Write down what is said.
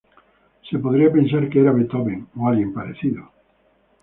Se podría pensar que era Beethoven o alguien parecido!".